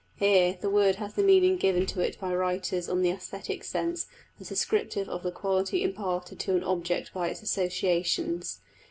Here the word has the meaning given to it by writers on the æsthetic sense as descriptive of the quality imparted to an object by its associations.